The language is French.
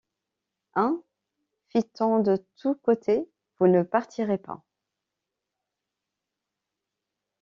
Hein! fit-on de tous côtés, vous ne partirez pas?